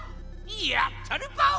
やったるパオ！